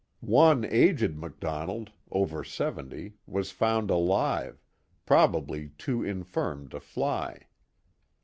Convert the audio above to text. One aged MacDonald, over seventy, was found alive, probably too infirm to fly.